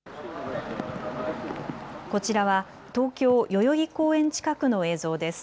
こちらは東京代々木公園近くの映像です。